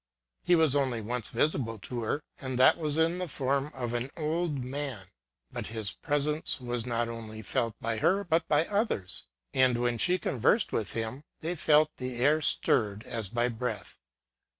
He was only once visible to her, and that was in the form of an old man ; but his presence was not only felt by her, but by others ; and when she conversed with him, they felt the air stirred, as by breath.